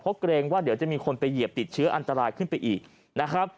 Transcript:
เพราะเกรงว่าเดี๋ยวจะมีคนไปเหยียบติดเชื้ออันตรายขึ้นไปอีกนะครับ